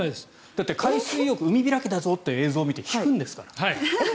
だって、海水浴海開きだぞという映像を見て引くんですから。